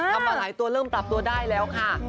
มาหลายตัวเริ่มปรับตัวได้แล้วค่ะ